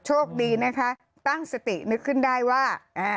โชคดีนะคะตั้งสตินึกขึ้นได้ว่า